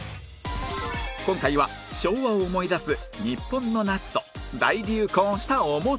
今回は昭和を思い出す日本の夏と大流行したおもちゃ